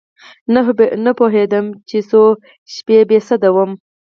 نه پوهېدم چې څو شپې بې سده وم.